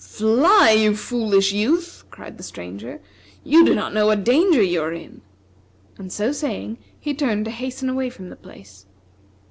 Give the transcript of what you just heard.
"Fly, you foolish youth!" cried the Stranger; "you do not know what danger you are in." And, so saying, he turned to hasten away from the place.